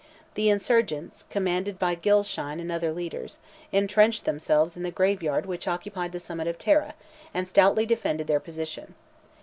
The insurgents, commanded by Gilshine and other leaders, intrenched themselves in the graveyard which occupies the summit of Tara, and stoutly defended their position.